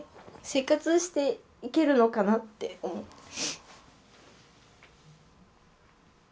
生活していけるのかなって思って。